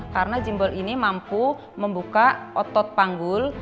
karena jembol ini mampu membuka otot panggul